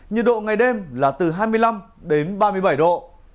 nhiệt độ ngày đêm là từ hai mươi năm đến ba mươi bảy độ